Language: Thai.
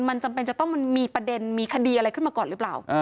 มันจำเป็นจะต้องมันมีประเด็นมีคดีอะไรขึ้นมาก่อนหรือเปล่า